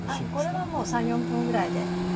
これはもう３４分ぐらいで。